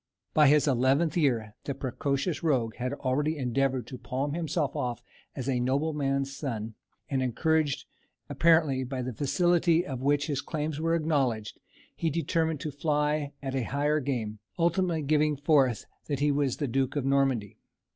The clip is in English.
By his eleventh year the precocious rogue had already endeavoured to palm himself off as a nobleman's son, and encouraged, apparently, by the facility with which his claims were acknowledged, he determined to fly at a higher game, ultimately giving forth that he was the Duke of Normandy.